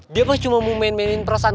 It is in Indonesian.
dia kan cuma mau main mainin perasaan